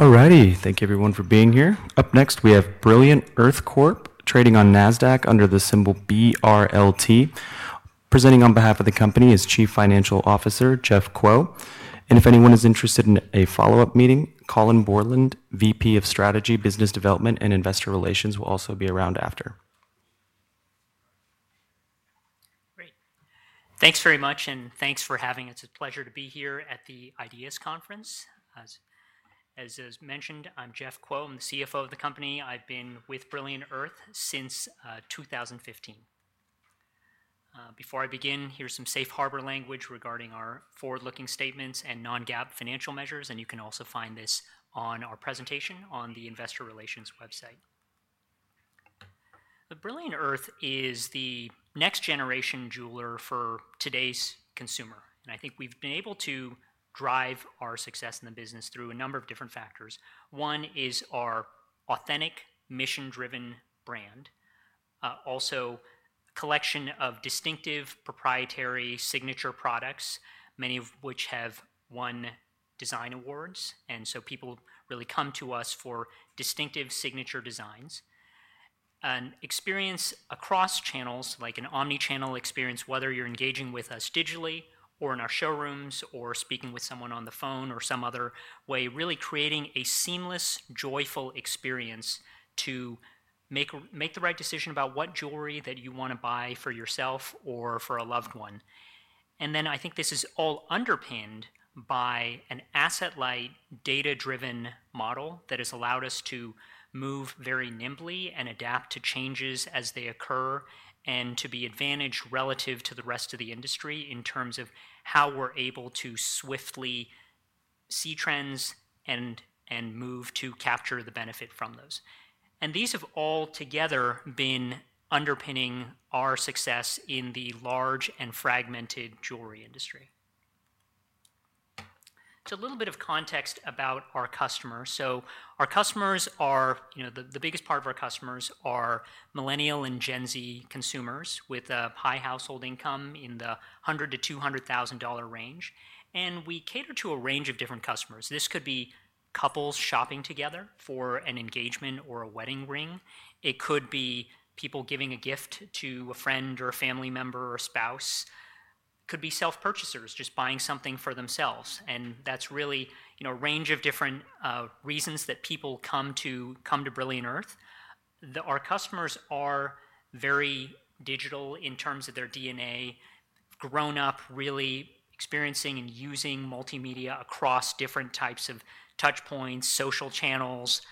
Alrighty, thank you everyone for being here. Up next, we have Brilliant Earth Corp trading on NASDAQ under the symbol BRLT. Presenting on behalf of the company is Chief Financial Officer Jeff Kuo. If anyone is interested in a follow-up meeting, Colin Bourland, VP of Strategy, Business Development, and Investor Relations, will also be around after. Great. Thanks very much, and thanks for having us. It's a pleasure to be here at the Ideas Conference. As mentioned, I'm Jeff Kuo. I'm the CFO of the company. I've been with Brilliant Earth since 2015. Before I begin, here's some safe harbor language regarding our forward-looking statements and non-GAAP financial measures, and you can also find this on our presentation on the Investor Relations website. Brilliant Earth is the next-generation jeweler for today's consumer, and I think we've been able to drive our success in the business through a number of different factors. One is our authentic, mission-driven brand. Also, a collection of distinctive, proprietary, signature products, many of which have won design awards, and so people really come to us for distinctive, signature designs. Experience across channels, like an omnichannel experience, whether you're engaging with us digitally, or in our showrooms, or speaking with someone on the phone, or some other way, really creating a seamless, joyful experience to make the right decision about what jewelry that you want to buy for yourself or for a loved one. I think this is all underpinned by an asset-light, data-driven model that has allowed us to move very nimbly and adapt to changes as they occur, and to be advantaged relative to the rest of the industry in terms of how we're able to swiftly see trends and move to capture the benefit from those. These have all together been underpinning our success in the large and fragmented jewelry industry. A little bit of context about our customers. Our customers are, you know, the biggest part of our customers are millennial and Gen Z consumers with a high household income in the $100,000-$200,000 range, and we cater to a range of different customers. This could be couples shopping together for an engagement or a wedding ring. It could be people giving a gift to a friend or a family member or a spouse. It could be self-purchasers just buying something for themselves, and that's really, you know, a range of different reasons that people come to Brilliant Earth. Our customers are very digital in terms of their DNA, grown up really experiencing and using multimedia across different types of touchpoints, social channels,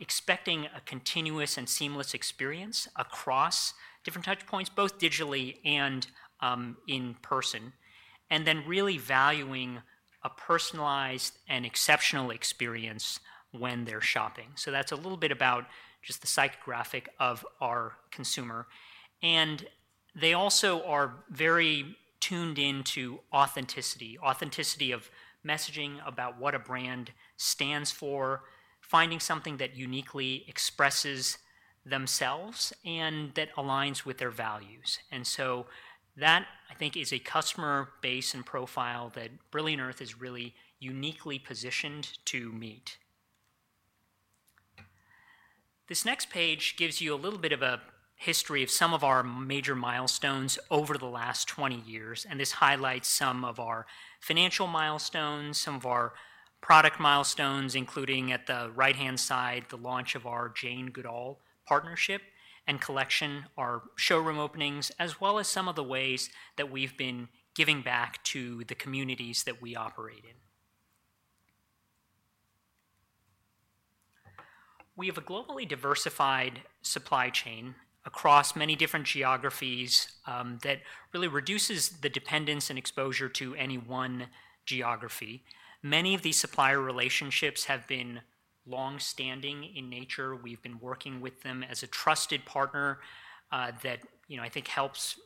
expecting a continuous and seamless experience across different touchpoints, both digitally and in person, and then really valuing a personalized and exceptional experience when they're shopping. That's a little bit about just the psychographic of our consumer. They also are very tuned into authenticity, authenticity of messaging about what a brand stands for, finding something that uniquely expresses themselves and that aligns with their values. That, I think, is a customer base and profile that Brilliant Earth is really uniquely positioned to meet. This next page gives you a little bit of a history of some of our major milestones over the last 20 years, and this highlights some of our financial milestones, some of our product milestones, including at the right-hand side, the launch of our Jane Goodall partnership and collection, our showroom openings, as well as some of the ways that we've been giving back to the communities that we operate in. We have a globally diversified supply chain across many different geographies that really reduces the dependence and exposure to any one geography. Many of these supplier relationships have been longstanding in nature. We've been working with them as a trusted partner that, you know, I think helps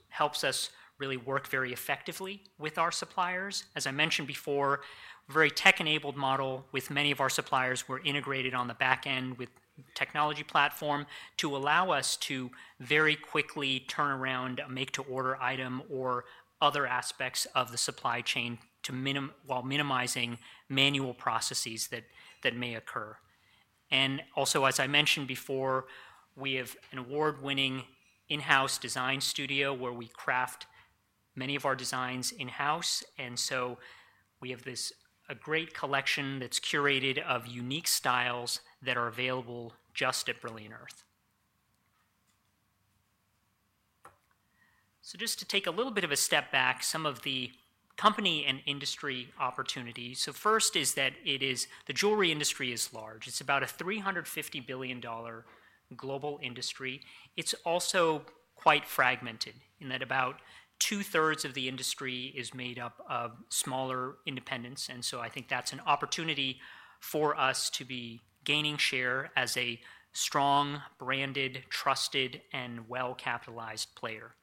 us really work very effectively with our suppliers. As I mentioned before, a very tech-enabled model with many of our suppliers. We're integrated on the back end with technology platform to allow us to very quickly turn around a make-to-order item or other aspects of the supply chain while minimizing manual processes that may occur. Also, as I mentioned before, we have an award-winning in-house design studio where we craft many of our designs in-house, and so we have this great collection that's curated of unique styles that are available just at Brilliant Earth. Just to take a little bit of a step back, some of the company and industry opportunities. First is that the jewelry industry is large. It's about a $350 billion global industry. It's also quite fragmented in that about 2/3 of the industry is made up of smaller independents, and I think that's an opportunity for us to be gaining share as a strong, branded, trusted, and well-capitalized player.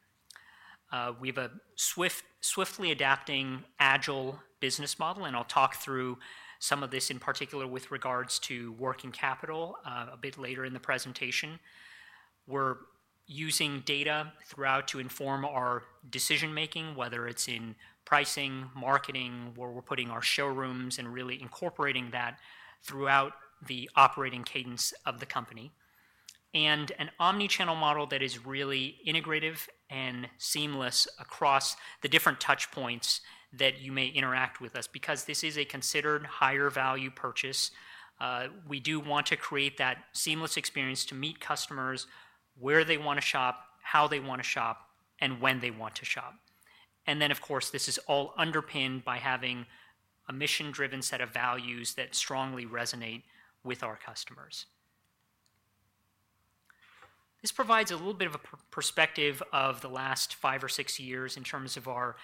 We have a swiftly adapting, agile business model, and I'll talk through some of this in particular with regards to working capital a bit later in the presentation. We're using data throughout to inform our decision-making, whether it's in pricing, marketing, where we're putting our showrooms, and really incorporating that throughout the operating cadence of the company. An omnichannel model that is really integrative and seamless across the different touchpoints that you may interact with us because this is a considered higher-value purchase. We do want to create that seamless experience to meet customers where they want to shop, how they want to shop, and when they want to shop. Of course, this is all underpinned by having a mission-driven set of values that strongly resonate with our customers. This provides a little bit of a perspective of the last five or six years in terms of our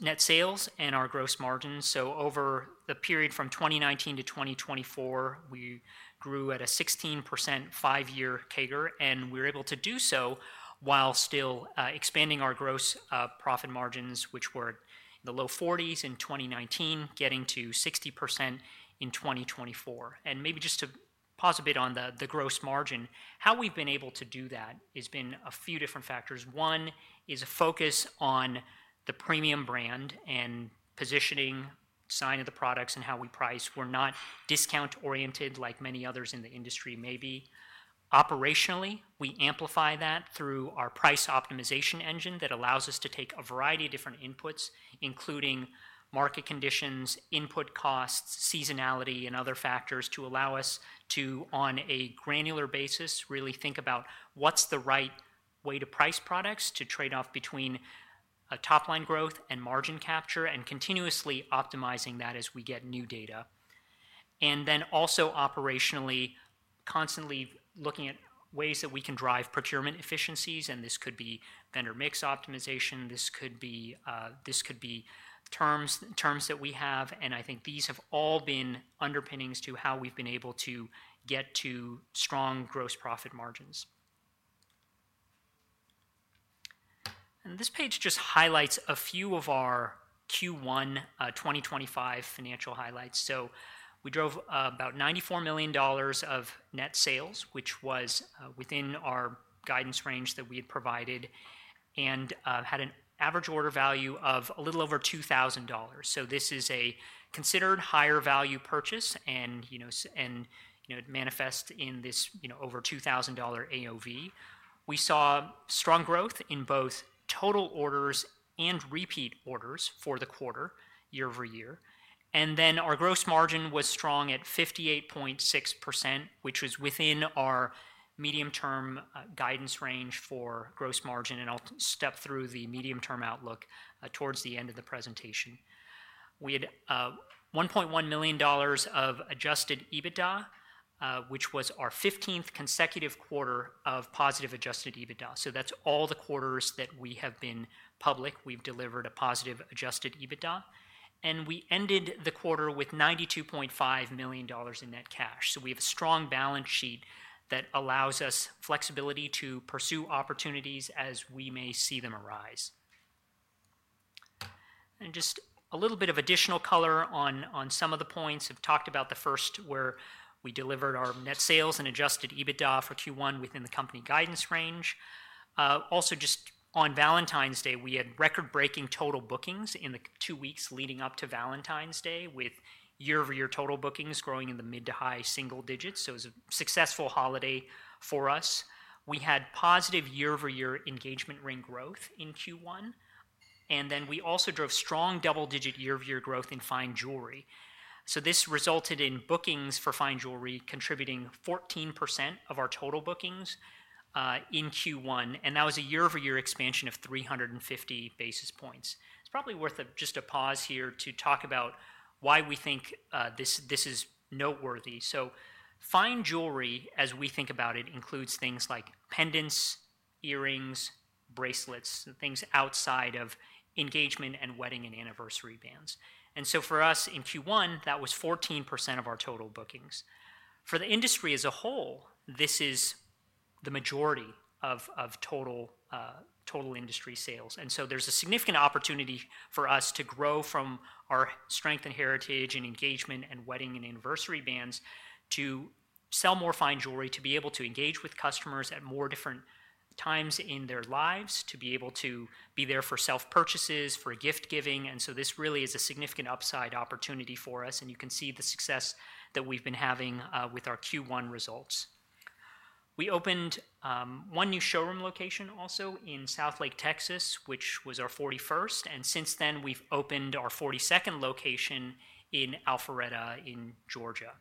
net sales and our gross margins. Over the period from 2019 to 2024, we grew at a 16% five-year CAGR, and we were able to do so while still expanding our gross profit margins, which were in the low 40s in 2019, getting to 60% in 2024. Maybe just to pause a bit on the gross margin, how we've been able to do that has been a few different factors. One is a focus on the premium brand and positioning, design of the products, and how we price. We're not discount-oriented like many others in the industry may be. Operationally, we amplify that through our price optimization engine that allows us to take a variety of different inputs, including market conditions, input costs, seasonality, and other factors to allow us to, on a granular basis, really think about what's the right way to price products to trade off between top-line growth and margin capture and continuously optimizing that as we get new data. Then also operationally, constantly looking at ways that we can drive procurement efficiencies, and this could be vendor mix optimization, this could be terms that we have, and I think these have all been underpinnings to how we've been able to get to strong gross profit margins. This page just highlights a few of our Q1 2025 financial highlights. We drove about $94 million of net sales, which was within our guidance range that we had provided, and had an average order value of a little over $2,000. This is a considered higher-value purchase, and you know, it manifests in this over $2,000 AOV. We saw strong growth in both total orders and repeat orders for the quarter, year-over-year, and then our gross margin was strong at 58.6%, which was within our medium-term guidance range for gross margin. I'll step through the medium-term outlook towards the end of the presentation. We had $1.1 million of adjusted EBITDA, which was our 15th consecutive quarter of positive adjusted EBITDA. That's all the quarters that we have been public. We've delivered a positive adjusted EBITDA, and we ended the quarter with $92.5 million in net cash. We have a strong balance sheet that allows us flexibility to pursue opportunities as we may see them arise. Just a little bit of additional color on some of the points. I've talked about the first where we delivered our net sales and adjusted EBITDA for Q1 within the company guidance range. Also, just on Valentine's Day, we had record-breaking total bookings in the two weeks leading up to Valentine's Day, with year-over-year total bookings growing in the mid to high single digits. It was a successful holiday for us. We had positive year-over-year engagement ring growth in Q1, and then we also drove strong double-digit year-over-year growth in fine jewelry. This resulted in bookings for fine jewelry contributing 14% of our total bookings in Q1, and that was a year-over-year expansion of 350 basis points. It's probably worth just a pause here to talk about why we think this is noteworthy. Fine jewelry, as we think about it, includes things like pendants, earrings, bracelets, things outside of engagement and wedding and anniversary bands. For us in Q1, that was 14% of our total bookings. For the industry as a whole, this is the majority of total industry sales, and so there's a significant opportunity for us to grow from our strength and heritage in engagement and wedding and anniversary bands to sell more fine jewelry, to be able to engage with customers at more different times in their lives, to be able to be there for self-purchases, for gift-giving, and so this really is a significant upside opportunity for us, and you can see the success that we've been having with our Q1 results. We opened one new showroom location also in Southlake, Texas, which was our 41st, and since then we've opened our 42nd location in Alpharetta, Georgia.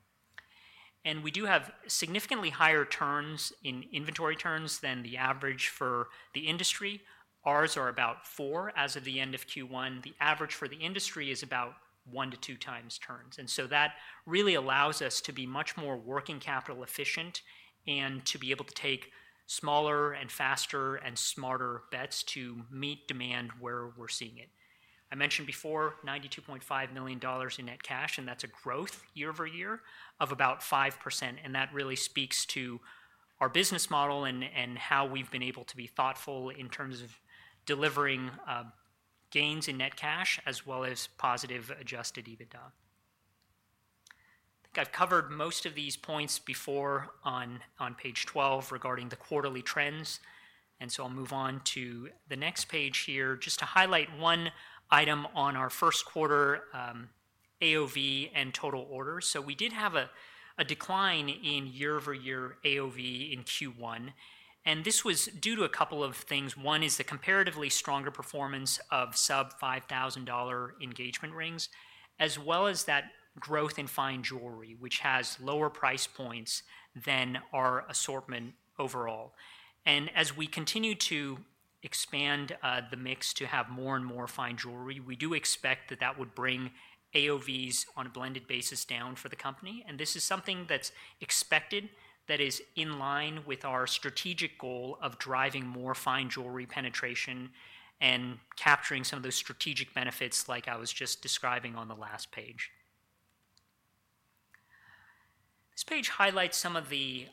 We do have significantly higher turns in inventory turns than the average for the industry. Ours are about four as of the end of Q1. The average for the industry is about 1-2x turns, and so that really allows us to be much more working capital efficient and to be able to take smaller and faster and smarter bets to meet demand where we're seeing it. I mentioned before $92.5 million in net cash, and that's a growth year-over-year of about 5%, and that really speaks to our business model and how we've been able to be thoughtful in terms of delivering gains in net cash as well as positive adjusted EBITDA. I think I've covered most of these points before on Page 12 regarding the quarterly trends, and so I'll move on to the next page here just to highlight one item on our first quarter AOV and total orders. We did have a decline in year-over-year AOV in Q1, and this was due to a couple of things. One is the comparatively stronger performance of sub-$5,000 engagement rings, as well as that growth in fine jewelry, which has lower price points than our assortment overall. As we continue to expand the mix to have more and more fine jewelry, we do expect that that would bring AOVs on a blended basis down for the company, and this is something that's expected that is in line with our strategic goal of driving more fine jewelry penetration and capturing some of those strategic benefits like I was just describing on the last page. This page highlights some of the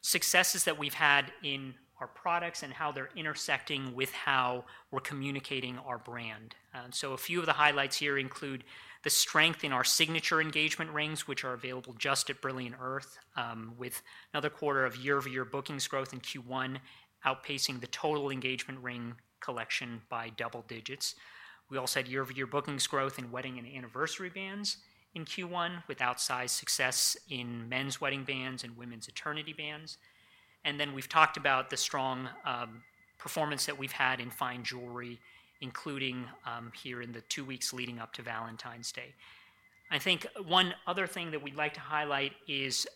successes that we've had in our products and how they're intersecting with how we're communicating our brand. A few of the highlights here include the strength in our signature engagement rings, which are available just at Brilliant Earth, with another quarter of year-over-year bookings growth in Q1 outpacing the total engagement ring collection by double digits. We also had year-over-year bookings growth in wedding and anniversary bands in Q1, with outsized success in men's wedding bands and women's eternity bands. We have talked about the strong performance that we have had in fine jewelry, including here in the two weeks leading up to Valentine's Day. I think one other thing that we'd like to highlight is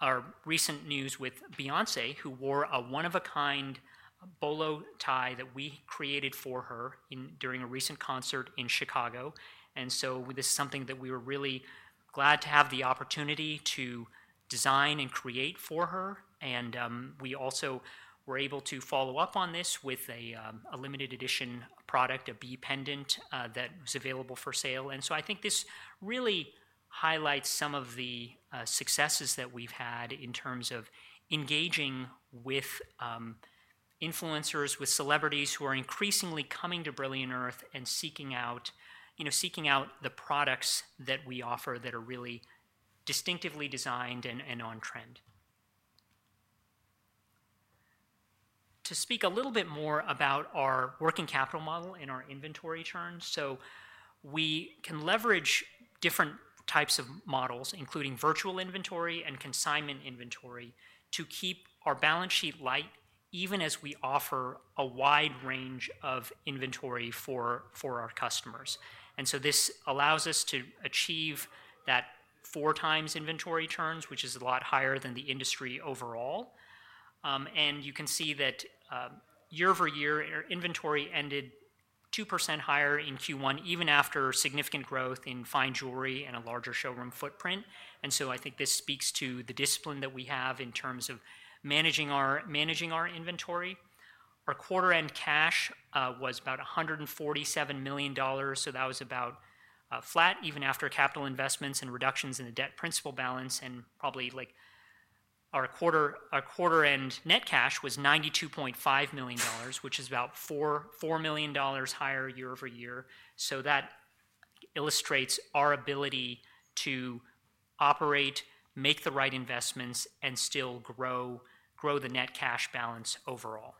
our recent news with Beyoncé, who wore a one-of-a-kind bolo tie that we created for her during a recent concert in Chicago. This is something that we were really glad to have the opportunity to design and create for her, and we also were able to follow up on this with a limited edition product, a Bee pendant that was available for sale. I think this really highlights some of the successes that we've had in terms of engaging with influencers, with celebrities who are increasingly coming to Brilliant Earth and seeking out, you know, seeking out the products that we offer that are really distinctively designed and on trend. To speak a little bit more about our working capital model and our inventory turns, we can leverage different types of models, including virtual inventory and consignment inventory, to keep our balance sheet light even as we offer a wide range of inventory for our customers. This allows us to achieve that 4x inventory turns, which is a lot higher than the industry overall. You can see that year-over-year inventory ended 2% higher in Q1, even after significant growth in fine jewelry and a larger showroom footprint, and I think this speaks to the discipline that we have in terms of managing our inventory. Our quarter-end cash was about $147 million, so that was about flat even after capital investments and reductions in the debt principal balance, and probably like our quarter-end net cash was $92.5 million, which is about $4 million higher year-over-year. That illustrates our ability to operate, make the right investments, and still grow the net cash balance overall.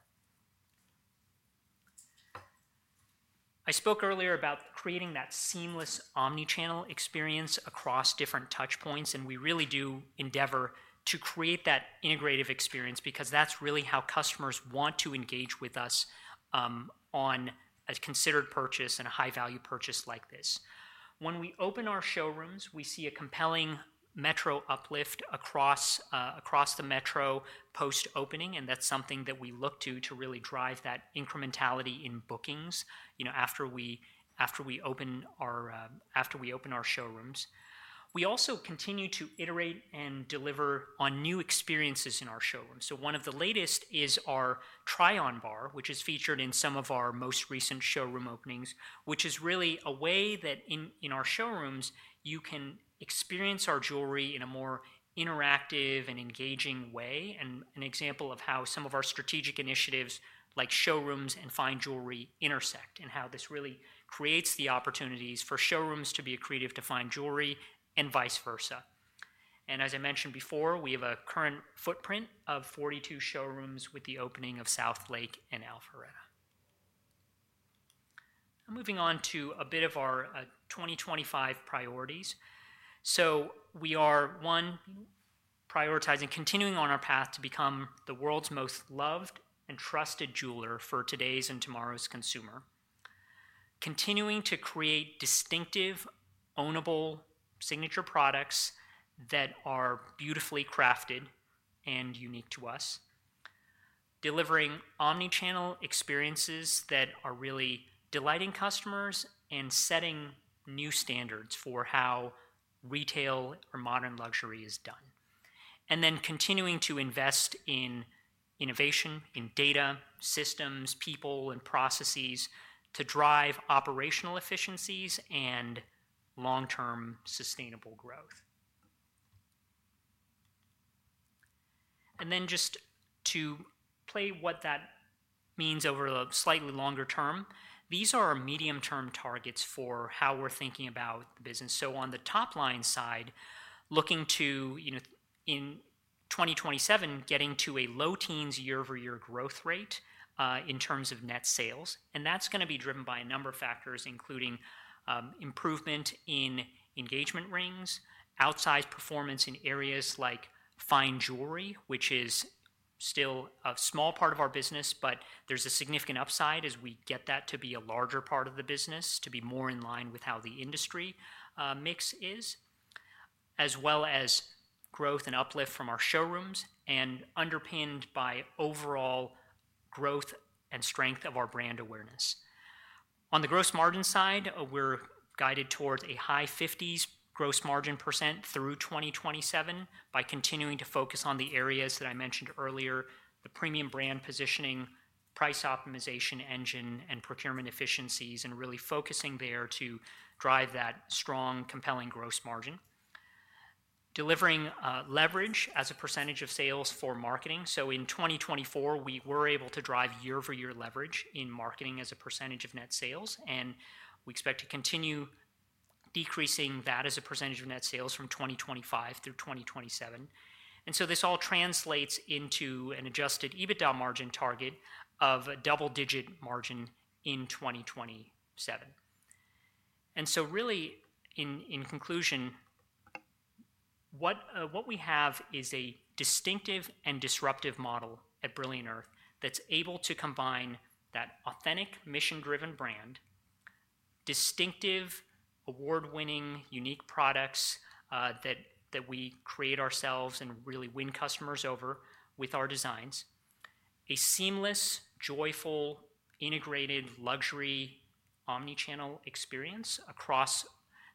I spoke earlier about creating that seamless omnichannel experience across different touchpoints, and we really do endeavor to create that integrative experience because that's really how customers want to engage with us on a considered purchase and a high-value purchase like this. When we open our showrooms, we see a compelling metro uplift across the metro post-opening, and that's something that we look to to really drive that incrementality in bookings, you know, after we open our showrooms. We also continue to iterate and deliver on new experiences in our showrooms. One of the latest is our try-on bar, which is featured in some of our most recent showroom openings, which is really a way that in our showrooms you can experience our jewelry in a more interactive and engaging way, and an example of how some of our strategic initiatives like showrooms and fine jewelry intersect and how this really creates the opportunities for showrooms to be accretive to fine jewelry and vice versa. As I mentioned before, we have a current footprint of 42 showrooms with the opening of Southlake and Alpharetta. Moving on to a bit of our 2025 priorities. We are, one, prioritizing continuing on our path to become the world's most loved and trusted jeweler for today's and tomorrow's consumer, continuing to create distinctive, ownable signature products that are beautifully crafted and unique to us, delivering omnichannel experiences that are really delighting customers and setting new standards for how retail or modern luxury is done, and then continuing to invest in innovation, in data, systems, people, and processes to drive operational efficiencies and long-term sustainable growth. Just to play what that means over a slightly longer term, these are medium-term targets for how we're thinking about the business. On the top-line side, looking to, you know, in 2027, getting to a low teens year-over-year growth rate in terms of net sales, and that's going to be driven by a number of factors, including improvement in engagement rings, outsized performance in areas like fine jewelry, which is still a small part of our business, but there's a significant upside as we get that to be a larger part of the business, to be more in line with how the industry mix is, as well as growth and uplift from our showrooms and underpinned by overall growth and strength of our brand awareness. On the gross margin side, we're guided towards a high 50s gross margin percent through 2027 by continuing to focus on the areas that I mentioned earlier, the premium brand positioning, price optimization engine, and procurement efficiencies, and really focusing there to drive that strong, compelling gross margin, delivering leverage as a percentage of sales for marketing. In 2024, we were able to drive year-over-year leverage in marketing as a percentage of net sales, and we expect to continue decreasing that as a percentage of net sales from 2025 through 2027. This all translates into an adjusted EBITDA margin target of a double-digit margin in 2027. Really, in conclusion, what we have is a distinctive and disruptive model at Brilliant Earth that's able to combine that authentic, mission-driven brand, distinctive, award-winning, unique products that we create ourselves and really win customers over with our designs, a seamless, joyful, integrated luxury omnichannel experience across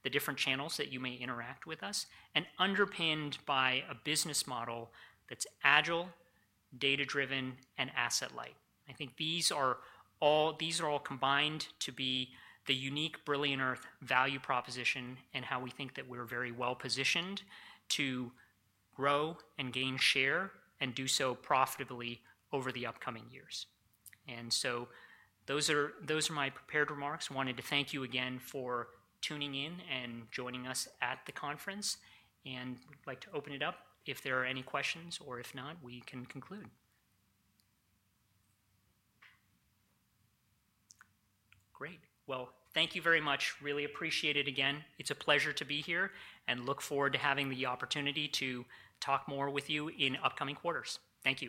the different channels that you may interact with us, and underpinned by a business model that's agile, data-driven, and asset-light. I think these are all combined to be the unique Brilliant Earth value proposition and how we think that we're very well positioned to grow and gain share and do so profitably over the upcoming years. Those are my prepared remarks. Wanted to thank you again for tuning in and joining us at the conference, and we'd like to open it up if there are any questions, or if not, we can conclude. Great. Thank you very much. Really appreciate it again. It's a pleasure to be here and look forward to having the opportunity to talk more with you in upcoming quarters. Thank you.